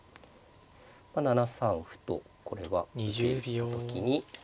７三歩とこれは打っていった時に。